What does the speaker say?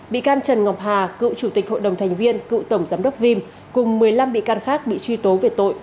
bị can trần ngọc hà cựu chủ tịch hội đồng thành viên cựu tổng giám đốc vim cùng một mươi năm bị can khác bị truy tố về tội